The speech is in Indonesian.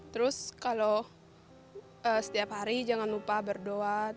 terus kalau setiap hari jangan lupa berdoa